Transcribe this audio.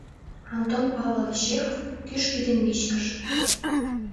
Антон Павлович ЧЕХОВ «КӰЖГӦ ДЕН ВИЧКЫЖ»